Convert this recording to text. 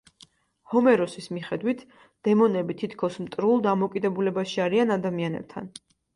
ჰომეროსის მიხედვით, დემონები თითქოს მტრულ დამოკიდებულებაში არიან ადამიანებთან.